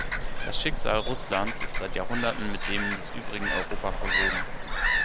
Das Schicksal Russlands ist seit Jahrhunderten mit dem des übrigen Europa verwoben.